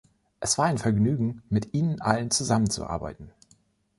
Es war ein Vergnügen, mit Ihnen allen zusammenzuarbeiten.